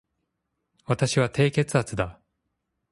私は低血圧だ